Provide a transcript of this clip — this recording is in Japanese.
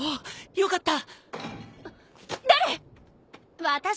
よかった。